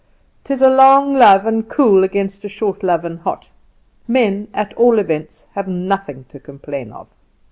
'Tis a long love and cool against a short love and hot; men, at all events, have nothing to complain of."